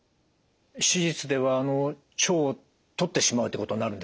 手術では腸を取ってしまうってことになるんですか？